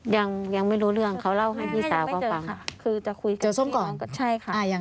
ยังไม่รู้เรื่องเขาเล่าให้พี่สาวก็บ้างค่ะคือจะคุยกับพี่น้องก็ใช่ค่ะ